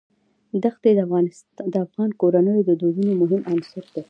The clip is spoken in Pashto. دښتې د افغان کورنیو د دودونو مهم عنصر دی.